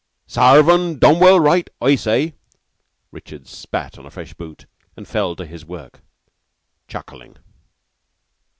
Sarve un dom well raight, I say!" Richards spat on a fresh boot and fell to his work, chuckling.